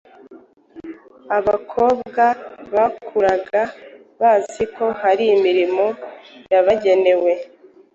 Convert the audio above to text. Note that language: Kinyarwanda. Abakobwa bakuraga bazi ko hari imirimo yabagenewe.